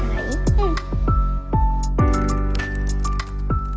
うん。